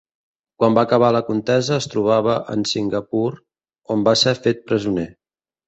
Quan va acabar la contesa es trobava en Singapur, on va ser fet presoner.